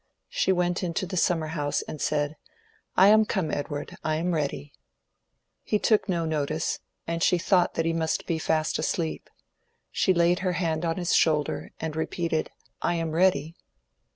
She went into the summerhouse and said, "I am come, Edward; I am ready." He took no notice, and she thought that he must be fast asleep. She laid her hand on his shoulder, and repeated, "I am ready!"